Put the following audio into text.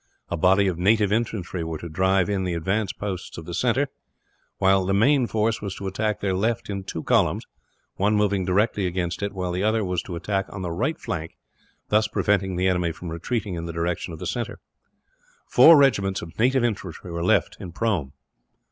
A body of native infantry were to drive in the advance posts of the centre; while the main force was to attack their left in two columns, one moving directly against it, while the other was to attack on the right flank thus preventing the enemy from retreating in the direction of the centre. Four regiments of native infantry were left in Prome.